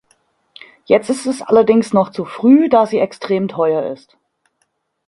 Jetzt ist es allerdings noch zu früh, da sie extrem teuer ist.